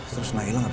terus nailah ngebut